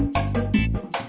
dengan bad takimu yah